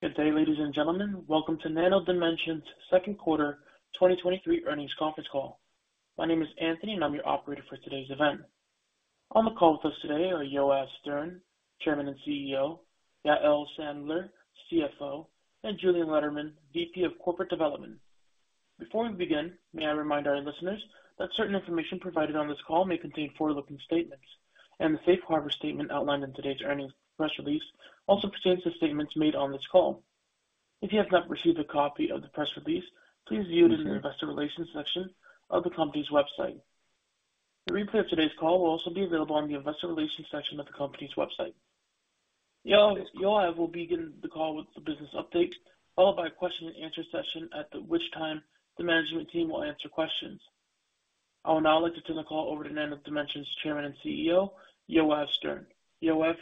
Good day, ladies and gentlemen. Welcome to Nano Dimension's second quarter 2023 earnings conference call. My name is Anthony, and I'm your operator for today's event. On the call with us today are Yoav Stern, Chairman and CEO, Yael Sandler, CFO, and Julien Lederman, VP of Corporate Development. Before we begin, may I remind our listeners that certain information provided on this call may contain forward-looking statements, and the safe harbor statement outlined in today's earnings press release also pertains to statements made on this call. If you have not received a copy of the press release, please view it in the investor relations section of the company's website. The replay of today's call will also be available on the investor relations section of the company's website. Yoav, Yoav will begin the call with the business update, followed by a question and answer session, at which time the management team will answer questions. I will now like to turn the call over to Nano Dimension's Chairman and CEO, Yoav Stern. Yoav,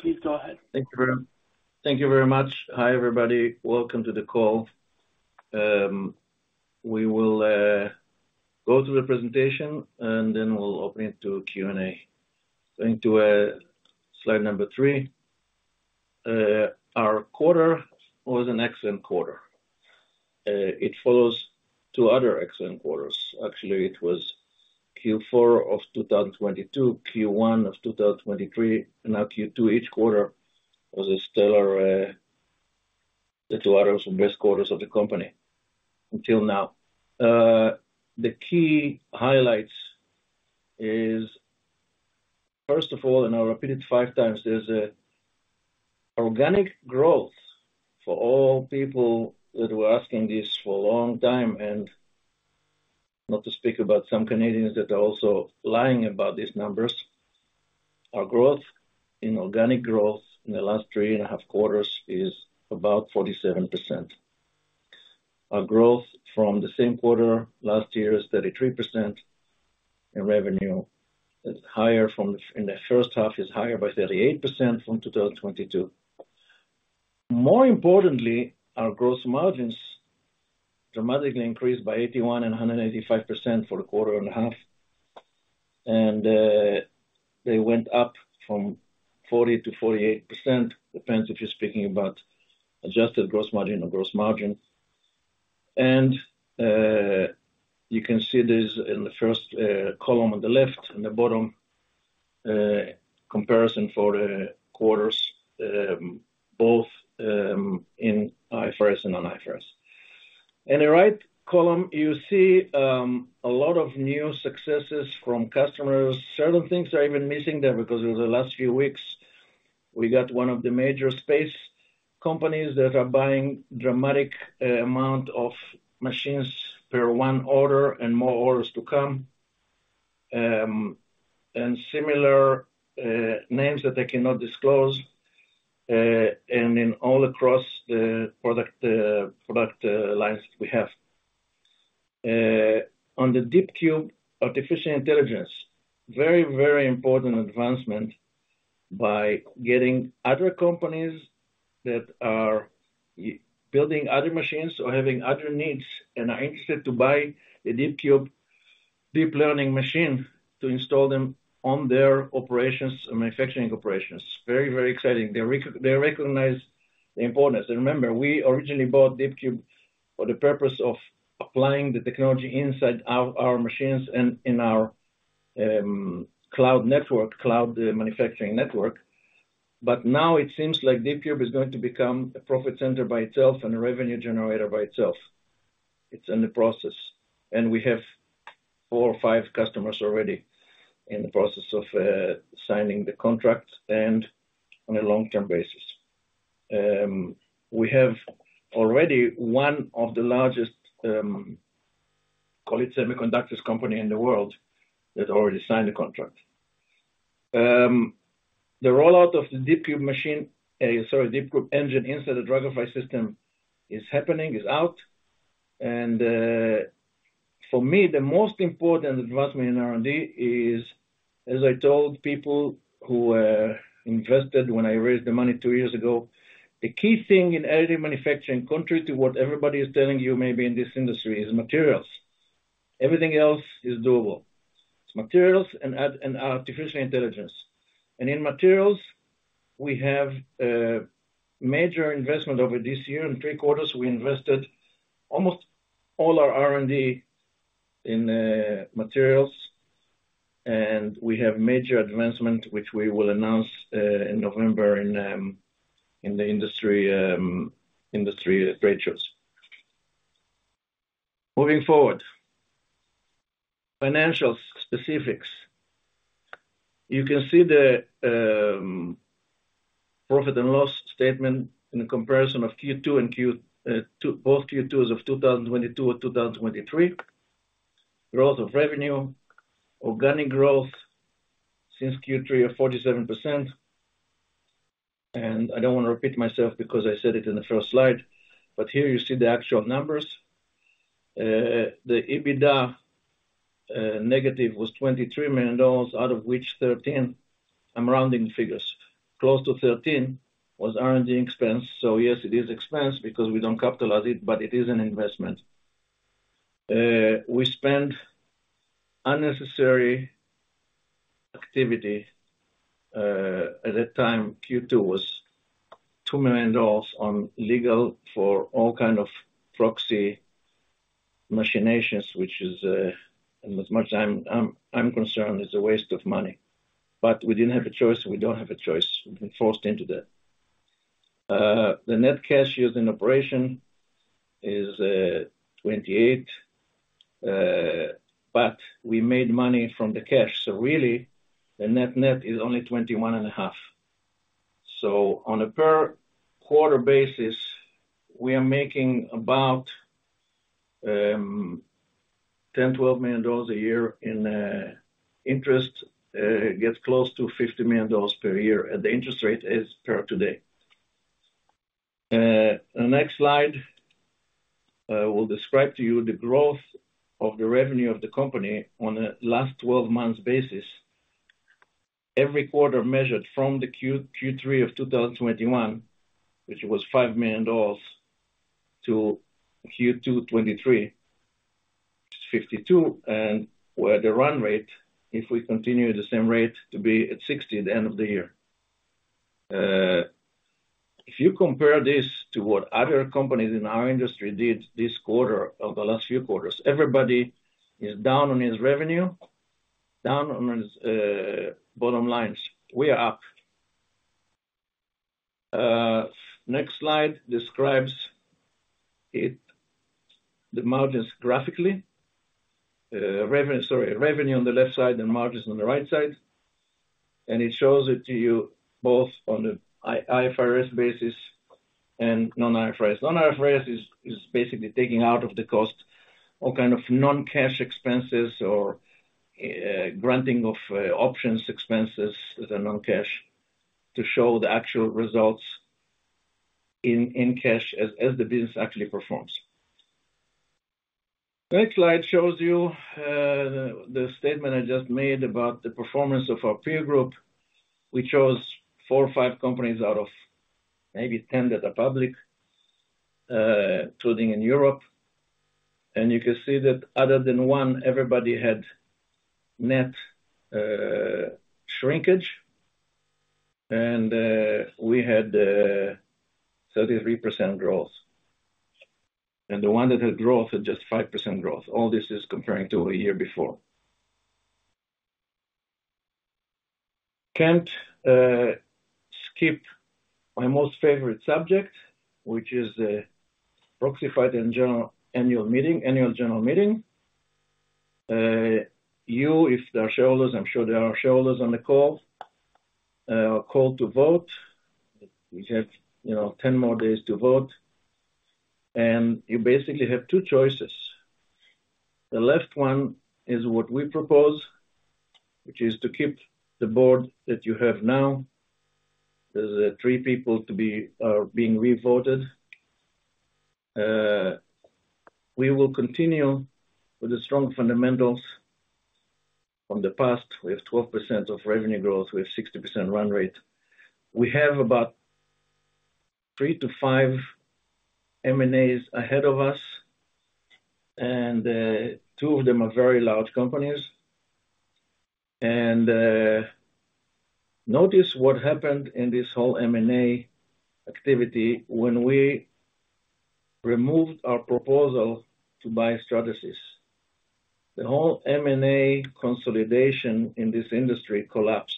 please go ahead. Thank you very, thank you very much. Hi, everybody. Welcome to the call. We will go through the presentation, and then we'll open it to Q&A. Going to slide number three. Our quarter was an excellent quarter. It follows two other excellent quarters. Actually, it was Q4 of 2022, Q1 of 2023, now Q2. Each quarter was a stellar, the two others, and best quarters of the company until now. The key highlights is, first of all, and I'll repeat it five times, there's a organic growth for all people that were asking this for a long time, and not to speak about some Canadians that are also lying about these numbers. Our growth, in organic growth in the last three and a half quarters is about 47%. Our growth from the same quarter last year is 33%, revenue is higher in the first half, is higher by 38% from 2022. More importantly, our gross margins dramatically increased by 81% and 185% for a quarter and a half, they went up from 40%-48%. Depends if you're speaking about adjusted gross margin or gross margin. You can see this in the first column on the left, in the bottom comparison for the quarters, both in IFRS and non-IFRS. In the right column, you see a lot of new successes from customers. Certain things are even missing there, because in the last few weeks, we got one of the major space companies that are buying dramatic amount of machines per one order and more orders to come. Similar names that I cannot disclose, and in all across the product, product, lines we have. On the DeepCube artificial intelligence, very, very important advancement by getting other companies that are building other machines or having other needs and are interested to buy a DeepCube deep learning machine to install them on their operations and manufacturing operations. Very, very exciting. They recognize the importance. Remember, we originally bought DeepCube for the purpose of applying the technology inside our, our machines and in our cloud network, cloud manufacturing network. Now it seems like DeepCube is going to become a profit center by itself and a revenue generator by itself. It's in the process, and we have 4 or 5 customers already in the process of signing the contract and on a long-term basis. We have already one of the largest, call it semiconductors company in the world, that already signed a contract. The rollout of the DeepCube machine, sorry, DeepCube engine into the DragonFly system is happening, is out. For me, the most important advancement in R&D is, as I told people who invested when I raised the money 2 years ago, the key thing in additive manufacturing, contrary to what everybody is telling you maybe in this industry, is materials. Everything else is doable. It's materials and add- and artificial intelligence. In materials, we have major investment over this year. In 3 quarters, we invested almost all our R&D in materials, and we have major advancement, which we will announce in November in the industry, industry trade shows. Moving forward. Financial specifics. You can see the profit and loss statement in comparison of Q2 and Q2. Both Q2s of 2022 and 2023. Growth of revenue, organic growth since Q3 are 47%. I don't want to repeat myself because I said it in the first slide, but here you see the actual numbers. The EBITDA negative was $23 million, out of which 13, I'm rounding figures, close to 13 was R&D expense. Yes, it is expense because we don't capitalize it, but it is an investment. We spent unnecessary-... activity, at that time, Q2 was $2 million on legal for all kind of proxy machinations, which is, and as much I'm concerned, is a waste of money. We didn't have a choice, and we don't have a choice. We've been forced into that. The net cash used in operation is $28 million, but we made money from the cash, so really, the net net is only $21.5 million. On a per quarter basis, we are making about $10 million-$12 million a year in interest, gets close to $50 million per year, and the interest rate is per today. The next slide will describe to you the growth of the revenue of the company on a last 12 months basis. Every quarter measured from the Q3 of 2021, which was $5 million, to Q2 2023, it's $52 million, and we're at the run rate, if we continue at the same rate, to be at $60 million at the end of the year. If you compare this to what other companies in our industry did this quarter or the last few quarters, everybody is down on its revenue, down on its bottom lines. We are up. Next slide describes it, the margins graphically. Revenue, sorry, revenue on the left side and margins on the right side. It shows it to you both on the IFRS basis and non-IFRS. Non-IFRS is basically taking out of the cost, all kind of non-cash expenses or, granting of options expenses as a non-cash, to show the actual results in cash as the business actually performs. Next slide shows you the statement I just made about the performance of our peer group. We chose 4 or 5 companies out of maybe 10 that are public, including in Europe. You can see that other than 1, everybody had net shrinkage, and we had 33% growth. The 1 that had growth had just 5% growth. All this is comparing to a year before. Can't skip my most favorite subject, which is proxy fight, annual meeting, annual general meeting. You, if there are shareholders, I'm sure there are shareholders on the call, are called to vote. We have, you know, 10 more days to vote, and you basically have 2 choices. The left one is what we propose, which is to keep the board that you have now. There's 3 people to be being re-voted. We will continue with the strong fundamentals. From the past, we have 12% of revenue growth, we have 60% run rate. We have about 3-5 M&As ahead of us, and 2 of them are very large companies. Notice what happened in this whole M&A activity when we removed our proposal to buy Stratasys. The whole M&A consolidation in this industry collapsed.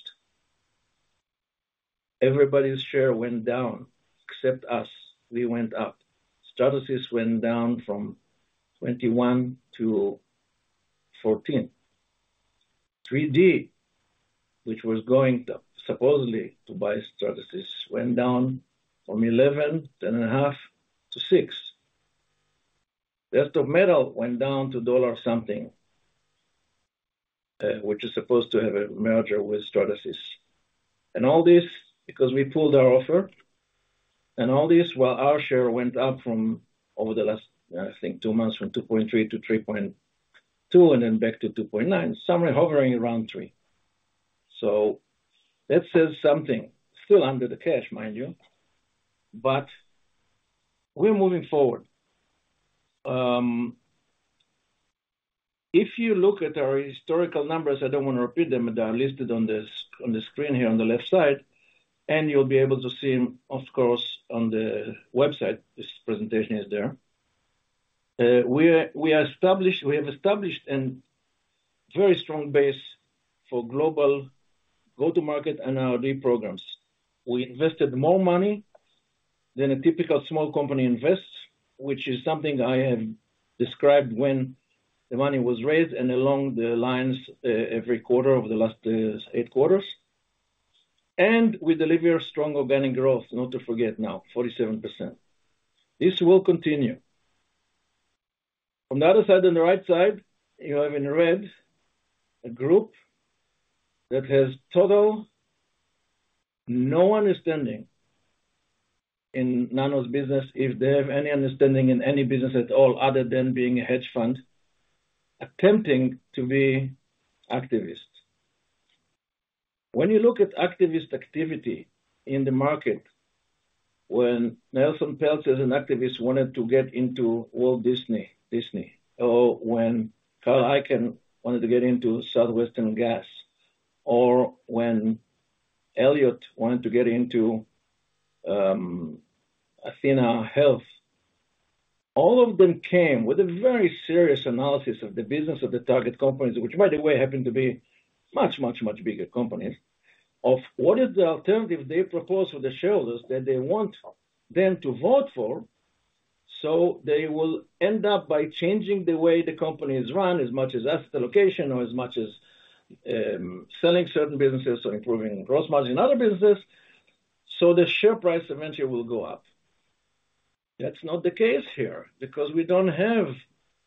Everybody's share went down, except us. We went up. Stratasys went down from $21 to $14. 3D, which was going to supposedly to buy Stratasys, went down from $11, $10.5, to $6. Desktop Metal went down to $1 something, which is supposed to have a merger with Stratasys. All this because we pulled our offer, and all this while our share went up from over the last, I think two months, from $2.3 to $3.2, and then back to $2.9. Somewhere hovering around $3. That says something. Still under the cash, mind you, but we're moving forward. If you look at our historical numbers, I don't want to repeat them, but they're listed on this- on the screen here on the left side, and you'll be able to see them, of course, on the website. This presentation is there. We are, we are established, we have established an very strong base for global go-to-market and R&D programs. We invested more money than a typical small company invests, which is something I have described when the money was raised and along the lines, every quarter over the last, 8 quarters. We deliver strong organic growth, not to forget now, 47%. This will continue. On the other side, on the right side, you have in red, a group that has total no understanding in Nano's business, if they have any understanding in any business at all, other than being a hedge fund, attempting to be activists. When you look at activist activity in the market. Nelson Peltz as an activist, wanted to get into Walt Disney, Disney, or when Carl Icahn wanted to get into Southwest Gas, or when Elliott wanted to get into Athenahealth. All of them came with a very serious analysis of the business of the target companies, which, by the way, happened to be much, much, much bigger companies, of what is the alternative they propose for the shareholders that they want them to vote for, so they will end up by changing the way the company is run as much as asset allocation or as much as selling certain businesses or improving gross margin in other businesses, so the share price eventually will go up. That's not the case here, because we don't have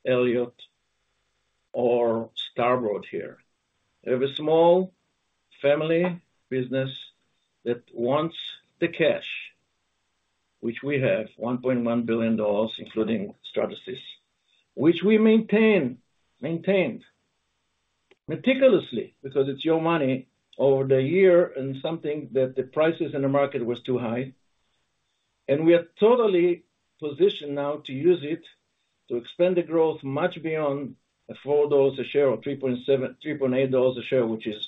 Elliott or Starboard here. We have a small family business that wants the cash, which we have $1.1 billion, including Stratasys, which we maintained meticulously because it's your money over the year and something that the prices in the market was too high. We are totally positioned now to use it to expand the growth much beyond the $4 a share or $3.7-$3.8 a share, which is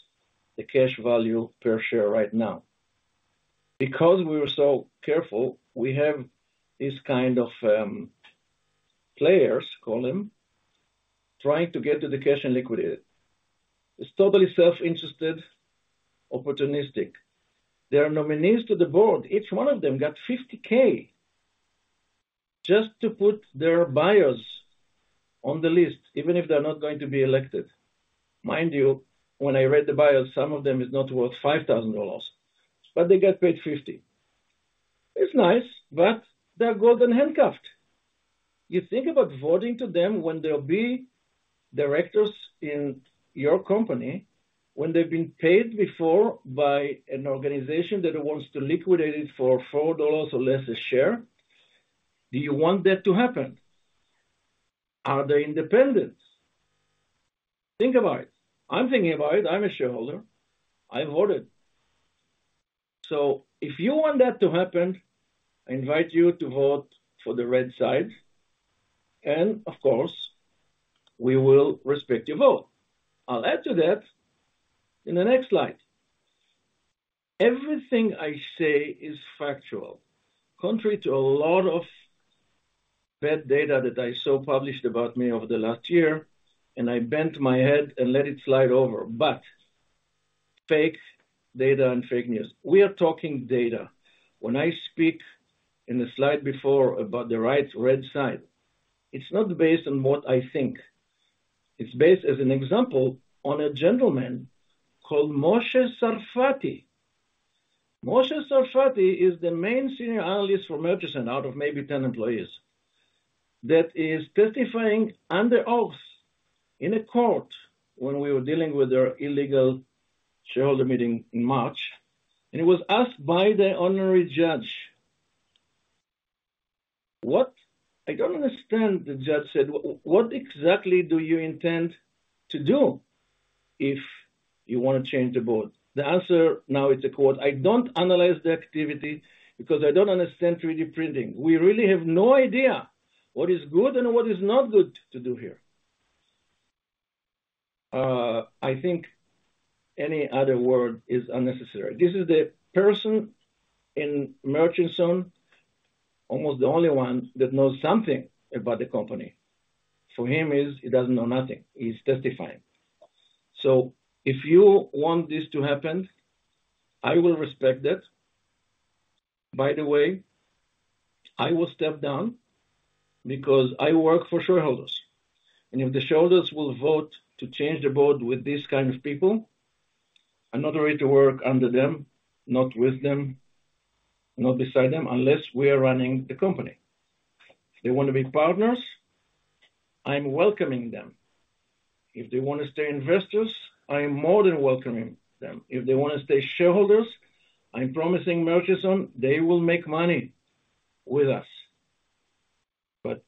the cash value per share right now. Because we were so careful, we have these kind of players, call them, trying to get to the cash and liquidate it. It's totally self-interested, opportunistic. There are nominees to the board. Each one of them got $50K just to put their buyers on the list, even if they're not going to be elected. Mind you, when I read the bios, some of them is not worth $5,000, but they get paid $50K. It's nice, but they're golden handcuffed. You think about voting to them when there'll be directors in your company, when they've been paid before by an organization that wants to liquidate it for $4 or less a share. Do you want that to happen? Are they independent? Think about it. I'm thinking about it. I'm a shareholder. I voted. If you want that to happen, I invite you to vote for the red side, and of course, we will respect your vote. I'll add to that in the next slide. Everything I say is factual, contrary to a lot of bad data that I saw published about me over the last year, and I bent my head and let it slide over. Fake data and fake news. We are talking data. When I speak in the slide before about the right red side, it's not based on what I think. It's based, as an example, on a gentleman called Moshe Sarfaty. Moshe Sarfaty is the main senior analyst for Murchinson, out of maybe 10 employees. That is testifying under oath in a court when we were dealing with their illegal shareholder meeting in March, and he was asked by the honorary judge, "What? I don't understand," the judge said, "What exactly do you intend to do if you want to change the board?" The answer now is a quote: "I don't analyze the activity because I don't understand 3D printing. We really have no idea what is good and what is not good to do here." I think any other word is unnecessary. This is the person in Murchinson, almost the only one that knows something about the company. For him, is he doesn't know nothing. He's testifying. If you want this to happen, I will respect that. By the way, I will step down because I work for shareholders. If the shareholders will vote to change the board with these kind of people, I'm not ready to work under them, not with them, not beside them, unless we are running the company. If they want to be partners, I'm welcoming them. If they want to stay investors, I am more than welcoming them. If they want to stay shareholders, I'm promising Murchinson they will make money with us.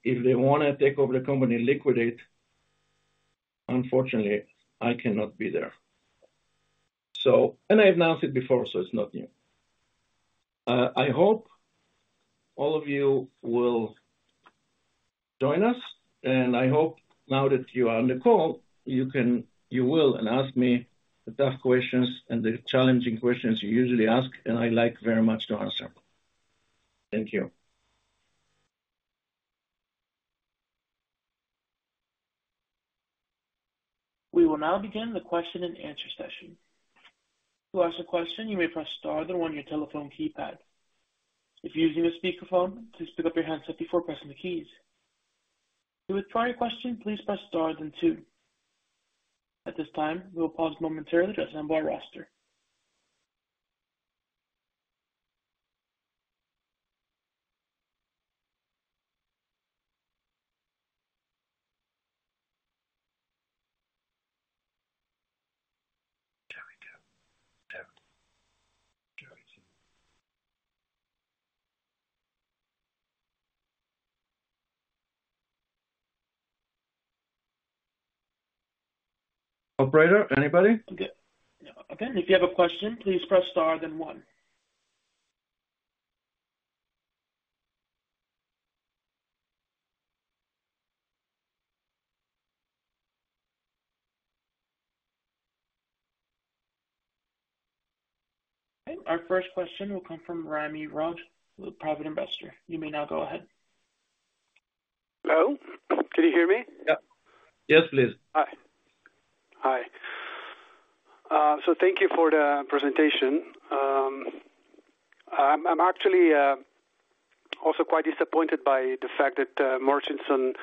If they want to take over the company and liquidate, unfortunately, I cannot be there. I announced it before, so it's not new. I hope all of you will join us, and I hope now that you are on the call, you will, and ask me the tough questions and the challenging questions you usually ask, and I like very much to answer. Thank you. We will now begin the question and answer session. To ask a question, you may press star then one on your telephone keypad. If you're using a speakerphone, please pick up your handset before pressing the keys. To withdraw your question, please press star then two. At this time, we will pause momentarily to assemble our roster. There we go. There we go. Operator, anybody? Okay. Again, if you have a question, please press Star then one. Okay, our first question will come from Rami Rauch, with Private Investor. You may now go ahead. Hello? Can you hear me? Yeah. Yes, please. Hi. Hi. Thank you for the presentation. I'm actually also quite disappointed by the fact that Murchinson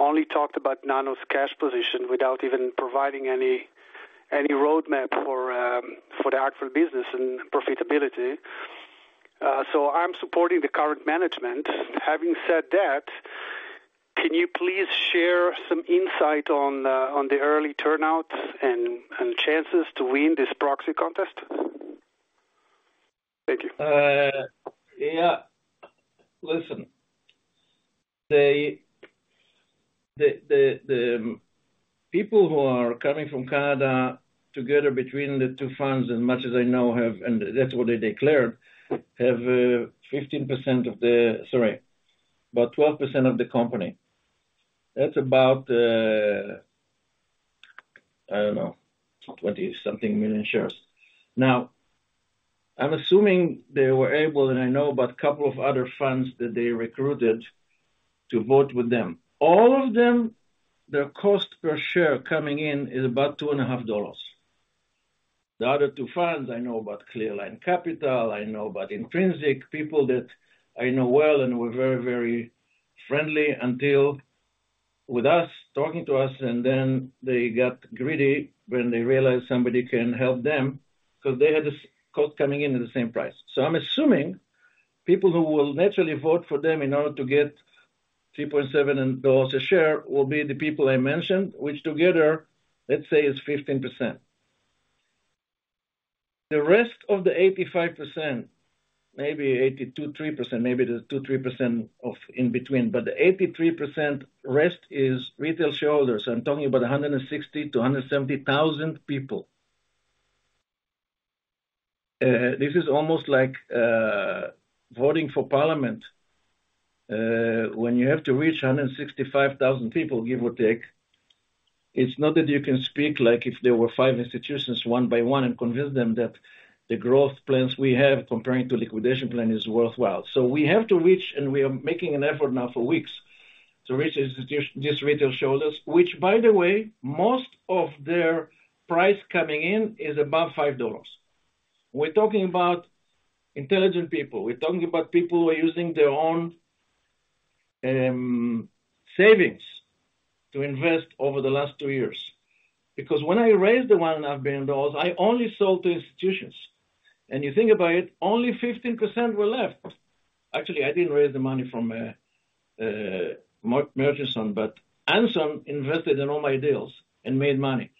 only talked about Nano's cash position without even providing any, any roadmap for the actual business and profitability. I'm supporting the current management. Having said that, can you please share some insight on the early turnouts and chances to win this proxy contest? Thank you. Yeah. Listen, they, the people who are coming from Canada together between the two funds, as much as I know have, and that's what they declared, have 15% of the... Sorry, about 12% of the company. That's about, I don't know, 20 something million shares. Now, I'm assuming they were able, and I know about a couple of other funds that they recruited to vote with them. All of them, their cost per share coming in is about $2.50. The other two funds I know about, Clearline Capital, I know about Intrinsic, people that I know well and were very, very friendly until with us, talking to us, and then they got greedy when they realized somebody can help them because they had this cost coming in at the same price. I'm assuming people who will naturally vote for them in order to get $3.7 a share, will be the people I mentioned, which together, let's say, is 15%. The rest of the 85%, maybe 82%-83%, maybe the 2%-3% of in between, but the 83% rest is retail shareholders. I'm talking about 160,000-170,000 people. This is almost like voting for parliament. When you have to reach 165,000 people, give or take, it's not that you can speak like if there were 5 institutions, one by one, and convince them that the growth plans we have comparing to liquidation plan is worthwhile. We have to reach, and we are making an effort now for weeks to reach these, these retail shareholders, which, by the way, most of their price coming in is above $5. We're talking about intelligent people. We're talking about people who are using their own savings to invest over the last two years. When I raised the $1.5 billion, I only sold to institutions, and you think about it, only 15% were left. Actually, I didn't raise the money from Murchinson, but Anson invested in all my deals and made money.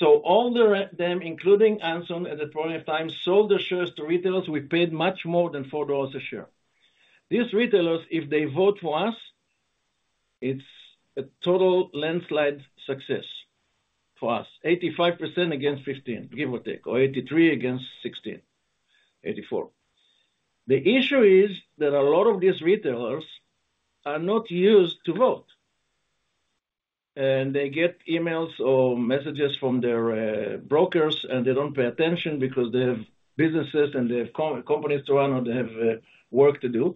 All them, including Anson, at the relevant time, sold their shares to retailers who paid much more than $4 a share. These retailers, if they vote for us, it's a total landslide success for us. 85% against 15, give or take, or 83 against 16, 84. The issue is that a lot of these retailers are not used to vote, and they get emails or messages from their brokers, and they don't pay attention because they have businesses and they have companies to run, or they have work to do.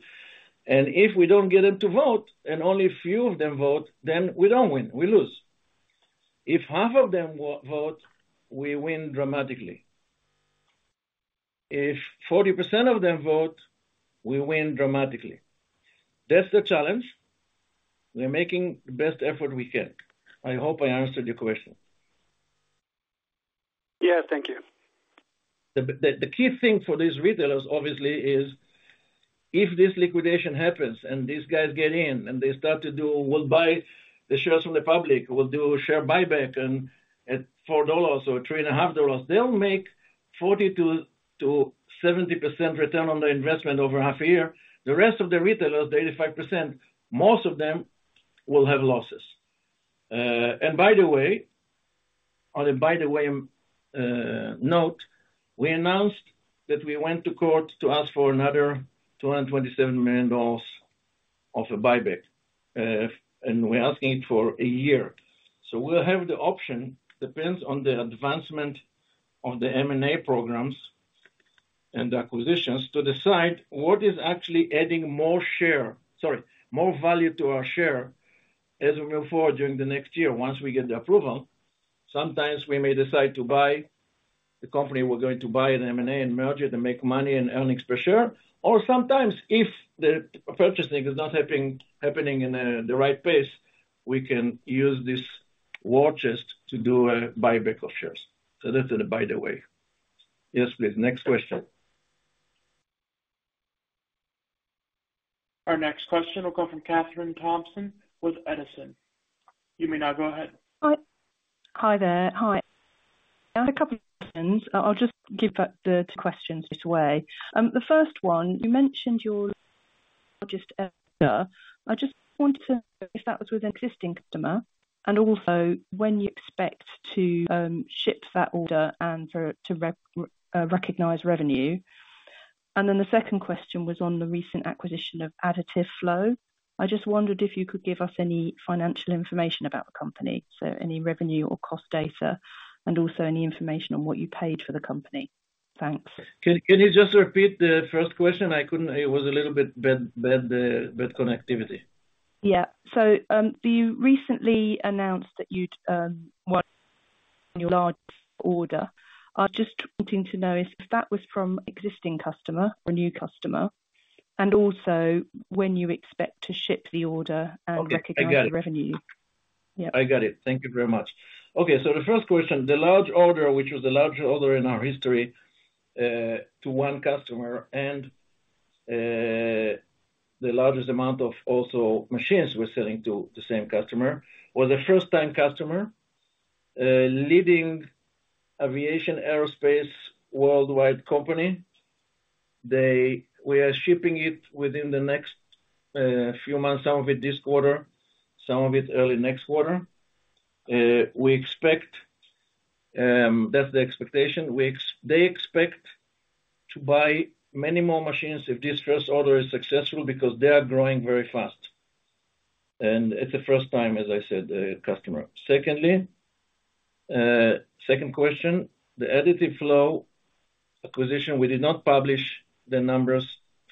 If we don't get them to vote, and only a few of them vote, then we don't win, we lose. If half of them vote, we win dramatically. If 40% of them vote, we win dramatically. That's the challenge. We're making the best effort we can. I hope I answered your question. Yeah, thank you. The, the, the key thing for these retailers, obviously, is if this liquidation happens and these guys get in and they start to do, we'll buy the shares from the public, we'll do a share buyback and at $4 or $3.50, they'll make 40%-70% return on their investment over half a year. The rest of the retailers, the 85%, most of them will have losses. By the way, on a by the way note, we announced that we went to court to ask for another $227 million of a buyback, and we're asking it for a year. We'll have the option, depends on the advancement of the M&A programs and acquisitions, to decide what is actually adding more share... Sorry, more value to our share as we move forward during the next year, once we get the approval. Sometimes we may decide to buy the company, we're going to buy an M&A and merge it and make money and earnings per share. Sometimes, if the purchasing is not happening in the right pace, we can use this war chest to do a buyback of shares. That's it, by the way. Yes, please. Next question. Our next question will come from Katherine Thompson, with Edison. You may now go ahead. Hi. Hi there. Hi. I have a couple of questions. I'll just give the 2 questions straight away. The first one, you mentioned largest ever. I just wanted to, if that was with an existing customer, and also when you expect to ship that order and for it to recognize revenue? The second question was on the recent acquisition of Additive Flow. I just wondered if you could give us any financial information about the company, so any revenue or cost data, and also any information on what you paid for the company. Thanks. Can you just repeat the first question? I couldn't. It was a little bit bad, bad, bad connectivity. Yeah. You recently announced that you'd won your large order. I'm just wanting to know if, if that was from existing customer or new customer, and also when you expect to ship the order? Okay, I got it. recognize the revenue. Yeah. I got it. Thank you very much. Okay, the first question, the large order, which was the largest order in our history, to 1 customer, and the largest amount of also machines we're selling to the same customer, was a first time customer, a leading aviation, aerospace, worldwide company. We are shipping it within the next few months, some of it this quarter, some of it early next quarter. We expect. That's the expectation. They expect to buy many more machines if this first order is successful, because they are growing very fast. It's the first time, as I said, customer. Secondly, second question: the Additive Flow acquisition, we did not publish the numbers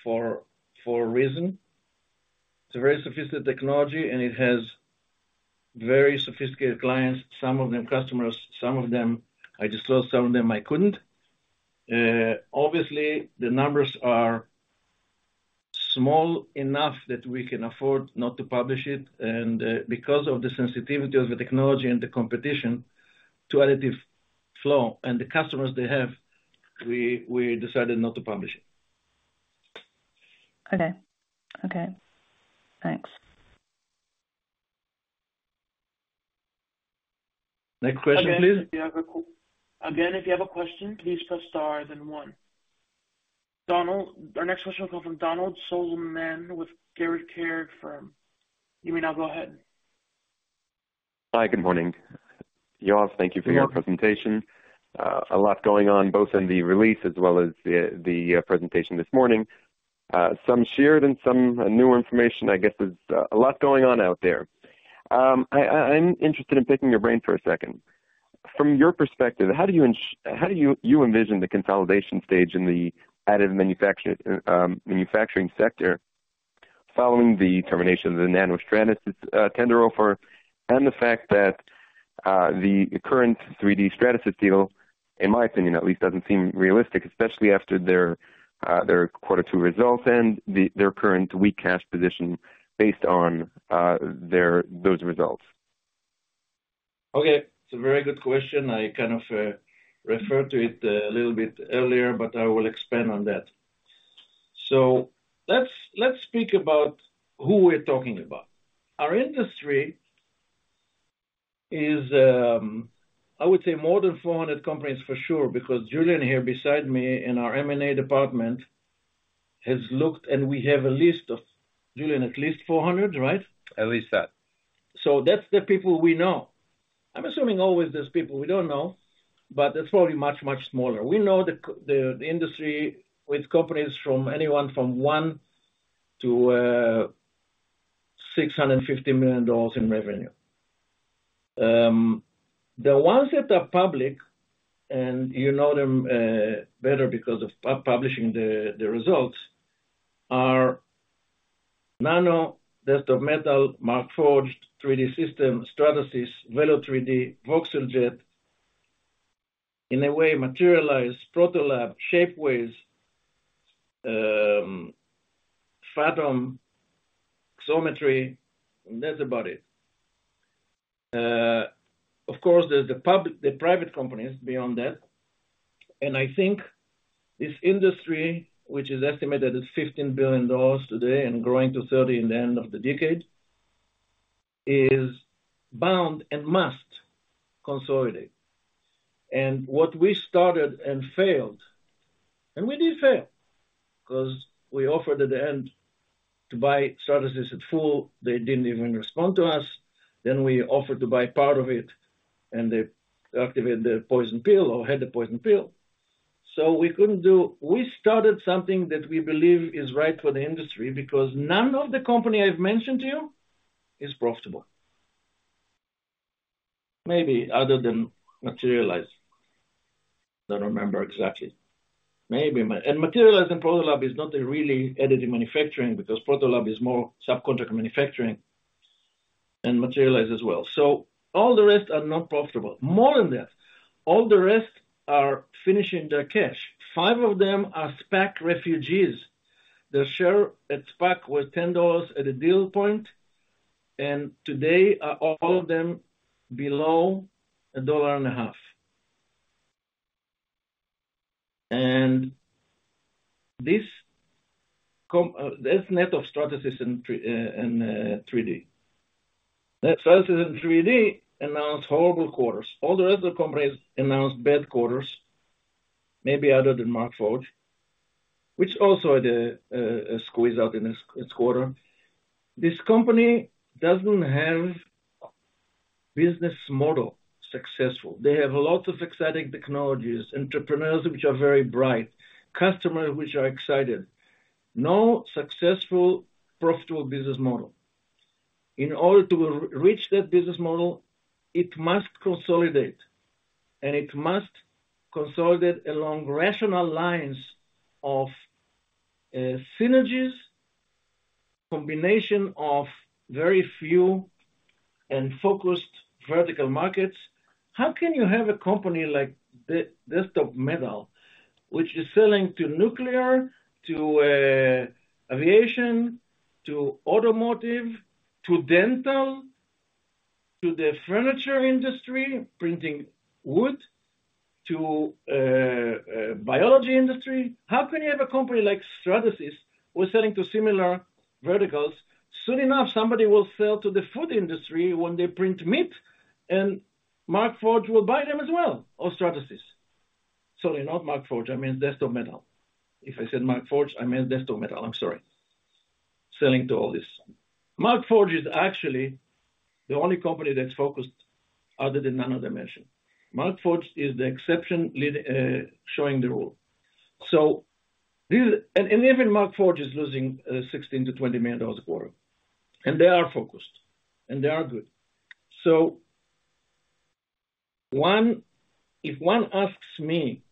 for a reason. It's a very sophisticated technology, and it has very sophisticated clients, some of them customers, some of them I disclosed, some of them I couldn't. Obviously, the numbers are small enough that we can afford not to publish it, and because of the sensitivity of the technology and the competition to Additive Flow and the customers they have, we, we decided not to publish it. Okay. Okay, thanks. Next question, please. Again, if you have a again, if you have a question, please press star, then 1. Donald, our next question comes from Donald Solomon with Garrett Care Firm. You may now go ahead. Hi, good morning, y'all. Thank you for your presentation. A lot going on, both in the release as well as the, the, presentation this morning. Some shared and some, new information. I guess there's, a lot going on out there. I, I, I'm interested in picking your brain for a second. From your perspective, how do you ins- how do you, you envision the consolidation stage in the additive manufactur, manufacturing sector, following the termination of the Nano-Stratasys, tender offer, and the fact that, the current 3D Stratasys deal, in my opinion, at least, doesn't seem realistic, especially after their, their quarter two results and the, their current weak cash position based on, their, those results? Okay, it's a very good question. I kind of referred to it a little bit earlier, but I will expand on that. Let's, let's speak about who we're talking about. Our industry is, I would say more than 400 companies, for sure, because Julian here beside me in our M&A department, has looked, and we have a list of... Julian, at least 400, right? At least that. That's the people we know. I'm assuming always there's people we don't know, but that's probably much, much smaller. We know the industry with companies from anyone from 1 to $650 million in revenue. The ones that are public, and you know them better because of publishing the results, are Nano, Desktop Metal, Markforged, 3D Systems, Stratasys, Velo3D, voxeljet, in a way, Materialise, Protolabs, Shapeways, Fathom, Xometry, and that's about it. Of course, there's the private companies beyond that, and I think this industry, which is estimated at $15 billion today and growing to $30 billion in the end of the decade, is bound and must consolidate. What we started and failed, and we did fail, cause we offered at the end to buy Stratasys at full, they didn't even respond to us. We offered to buy part of it, and they activated the poison pill or had the poison pill. We couldn't do... We started something that we believe is right for the industry, because none of the company I've mentioned to you is profitable. Maybe other than Materialise. I don't remember exactly. Maybe, and Materialise and Protolabs is not a really additive manufacturing, because Protolabs is more subcontract manufacturing and Materialise as well. All the rest are not profitable. More than that, all the rest are finishing their cash. Five of them are SPAC refugees. Their share at SPAC was $10 at a deal point, and today, are all, all of them below $1.50. This that's net of Stratasys and 3D. Stratasys and 3D announced horrible quarters. All the rest of the companies announced bad quarters. Maybe other than Markforged, which also had a squeeze out in this, its quarter. This company doesn't have business model successful. They have a lot of exciting technologies, entrepreneurs, which are very bright, customers which are excited. No successful, profitable business model. In order to re-reach that business model, it must consolidate, and it must consolidate along rational lines of synergies, combination of very few and focused vertical markets. How can you have a company like Desktop Metal, which is selling to nuclear, to aviation, to automotive, to dental, to the furniture industry, printing wood, to biology industry? How can you have a company like Stratasys who are selling to similar verticals? Soon enough, somebody will sell to the food industry when they print meat, Markforged will buy them as well, or Stratasys. Sorry, not Markforged, I mean, Desktop Metal. If I said Markforged, I meant Desktop Metal. I'm sorry. Selling to all this. Markforged is actually the only company that's focused, other than Nano Dimension. Markforged is the exception, lead, showing the rule. And even Markforged is losing $16 million-$20 million a quarter, and they are focused, and they are good. If one asks me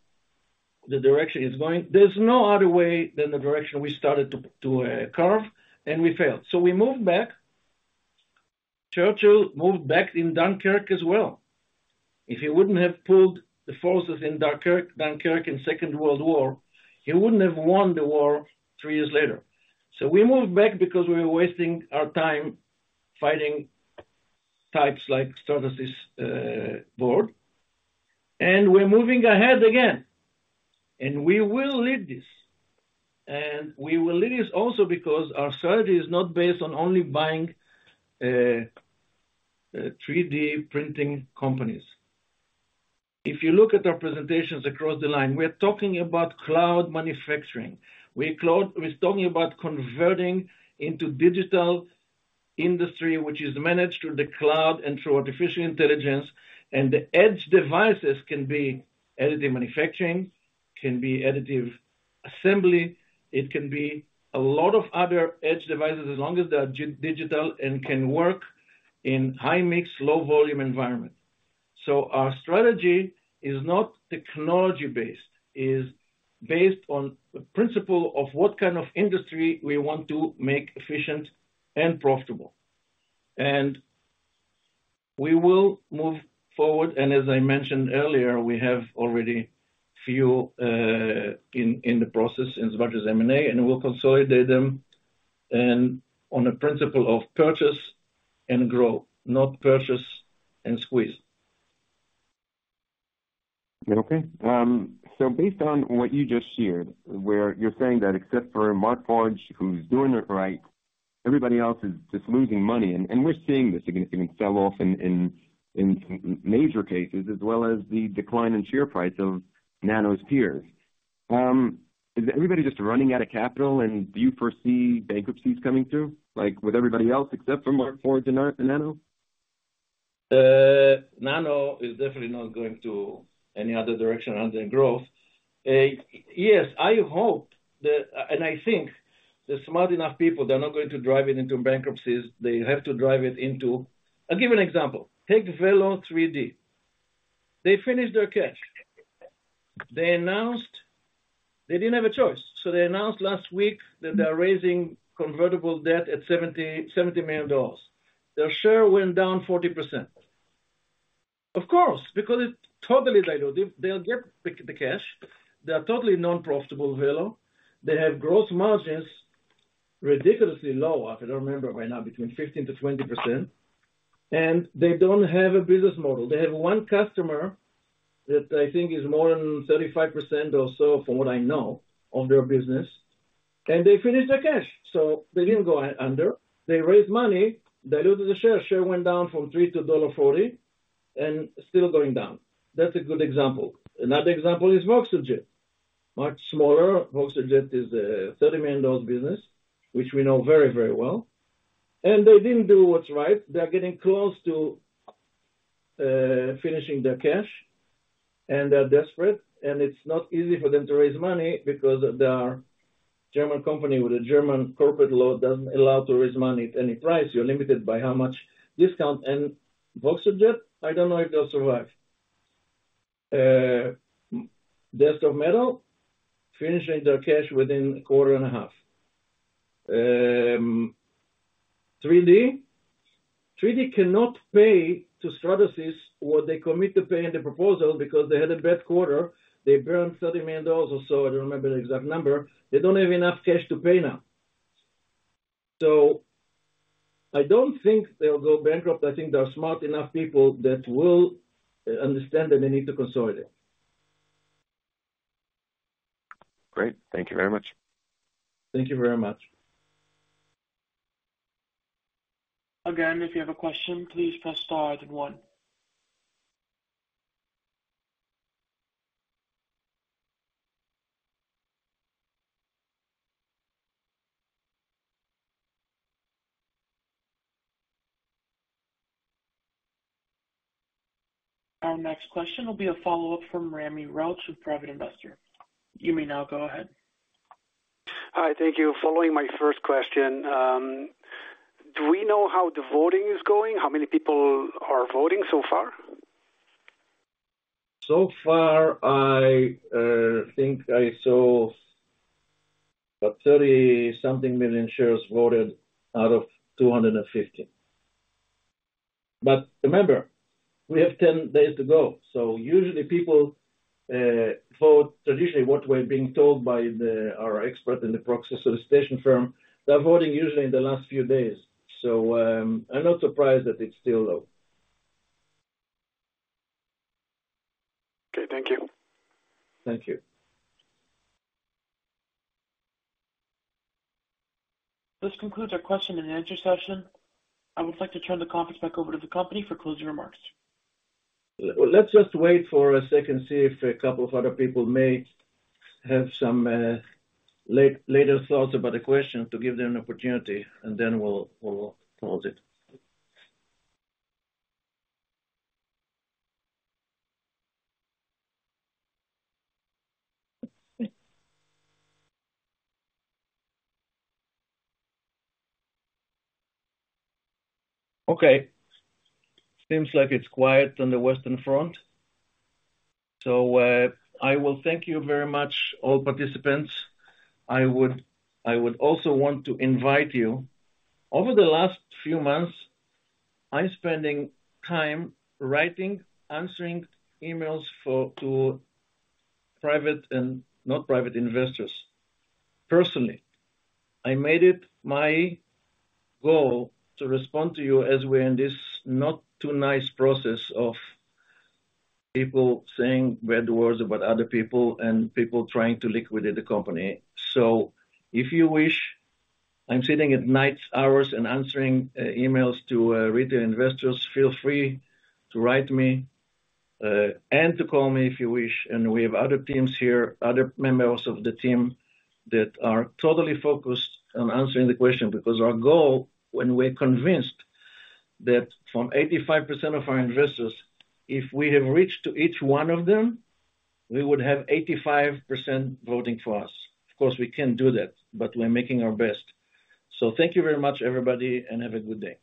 the direction it's going, there's no other way than the direction we started to, to carve, and we failed. We moved back. Churchill moved back in Dunkirk as well. If he wouldn't have pulled the forces in Dunkirk, Dunkirk in Second World War, he wouldn't have won the war three years later. We moved back because we were wasting our time fighting types like Stratasys board, and we're moving ahead again. We will lead this, and we will lead this also because our strategy is not based on only buying 3D printing companies. If you look at our presentations across the line, we're talking about cloud manufacturing. We're talking about converting into digital industry, which is managed through the cloud and through artificial intelligence, and the edge devices can be additive manufacturing, can be additive manufacturing, it can be a lot of other edge devices, as long as they are digital and can work in high-mix, low-volume environment. Our strategy is not technology-based, is based on the principle of what kind of industry we want to make efficient and profitable. We will move forward, and as I mentioned earlier, we have already few, in, in the process, as much as M&A, and we'll consolidate them and on a principle of purchase and grow, not purchase and squeeze. Based on what you just shared, where you're saying that except for Markforged, who's doing it right, everybody else is just losing money, and we're seeing this significant sell-off in major cases, as well as the decline in share price of Nano's peers. Is everybody just running out of capital, and do you foresee bankruptcies coming through, like with everybody else, except for Markforged and Nano? Nano is definitely not going to any other direction other than growth. Yes, I hope that, and I think the smart enough people, they're not going to drive it into bankruptcies. They have to drive it into... I'll give you an example. Take Velo3D. They finished their cash. They announced-- they didn't have a choice, so they announced last week that they are raising convertible debt at $70 million. Their share went down 40%. Of course, because it's totally dilutive. They'll get the, the cash. They are totally non-profitable, Velo. They have gross margins, ridiculously low. I don't remember right now, between 15%-20%, and they don't have a business model. They have one customer that I think is more than 35% or so, from what I know, of their business, and they finished their cash, so they didn't go under. They raised money, diluted the share. Share went down from $3 to $1.40 and still going down. That's a good example. Another example is Voxeljet, much smaller. Voxeljet is a $30 million business, which we know very, very well, and they didn't do what's right. They are getting close to finishing their cash, and they're desperate, and it's not easy for them to raise money because they are a German company with a German corporate law, doesn't allow to raise money at any price. You're limited by how much discount. Voxeljet, I don't know if they'll survive. Desktop Metal, finishing their cash within a quarter and a half. 3D Systems. 3D Systems cannot pay to Stratasys what they commit to pay in the proposal because they had a bad quarter. They burned $30 million or so, I don't remember the exact number. They don't have enough cash to pay now. I don't think they'll go bankrupt. I think there are smart enough people that will understand that they need to consolidate. Great. Thank you very much. Thank you very much.... If you have a question, please press star then one. Our next question will be a follow-up from Rami Rauch with Private Investor. You may now go ahead. Hi, thank you. Following my first question, do we know how the voting is going? How many people are voting so far? So far, I think I saw about 30-something million shares voted out of 250. Remember, we have 10 days to go, so usually people vote. Traditionally, what we're being told by the, our expert in the proxy solicitation firm, they're voting usually in the last few days. I'm not surprised that it's still low. Okay, thank you. Thank you. This concludes our question and answer session. I would like to turn the conference back over to the company for closing remarks. Let's just wait for a second, see if a couple of other people may have some, late, later thoughts about the question, to give them an opportunity, and then we'll, we'll close it. Okay. Seems like it's quiet on the Western front. I will thank you very much, all participants. I would, I would also want to invite you. Over the last few months, I'm spending time writing, answering emails for, to private and not private investors. Personally, I made it my goal to respond to you as we're in this not too nice process of people saying bad words about other people and people trying to liquidate the company. If you wish, I'm sitting at night hours and answering emails to retail investors. Feel free to write me, and to call me if you wish. We have other teams here, other members of the team, that are totally focused on answering the question. Our goal, when we're convinced that from 85% of our investors, if we have reached to each one of them, we would have 85% voting for us. Of course, we can't do that, but we're making our best. Thank you very much, everybody, and have a good day.